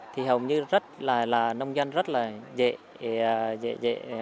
thì hầu như nông dân rất dễ thực hiện